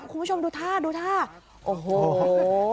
คุณผู้ชมดูท่าดูท่าโอ้โห